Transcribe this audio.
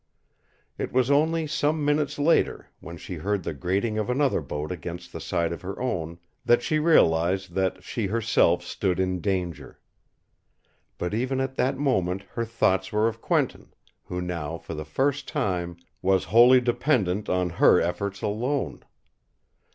It was only, some minutes later, when she heard the grating of another boat against the side of her own that she realized that she herself stood in danger. But even at that moment her thoughts were of Quentin, who now for the first time was wholly dependent on her efforts alone.